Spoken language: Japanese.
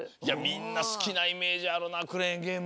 みんなすきなイメージあるなクレーンゲーム。